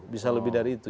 bisa lebih dari itu